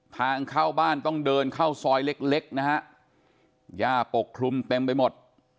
ทางเข้าบ้านต้องเดินเข้าซอยเล็กเล็กนะฮะย่าปกคลุมเต็มไปหมด